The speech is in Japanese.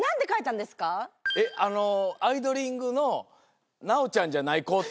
えっ、アイドリングの奈央ちゃんじゃない子って。